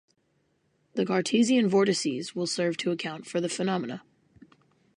The Cartesian vortices will serve to account for the phenomena.